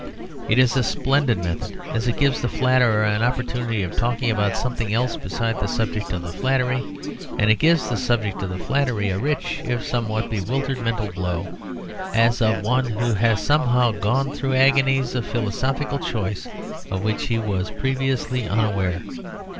It is a splendid method, as it gives the flatterer an opportunity of talking about something else besides the subject of the flattery, and it gives the subject of the flattery a rich, if somewhat bewildered, mental glow, as of one who has somehow gone through agonies of philosophical choice of which he was previously unaware.